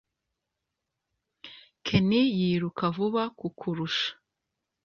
ken yiruka vuba kukurusha